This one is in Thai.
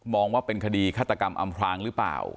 ว่าเป็นคดีฆาตกรรมอำพลางหรือเปล่า